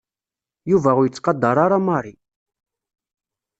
Yuba ur yettqadeṛ ara Mary.